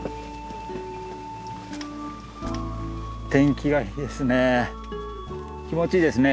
天気がいいですね。